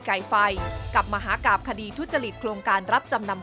ไก่ไฟกับมหากราบคดีทุจริตโครงการรับจำนำ